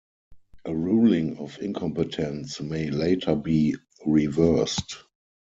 A ruling of incompetence may later be reversed.